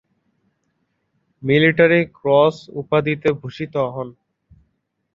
Military cross উপাধিতে ভূষিত হন।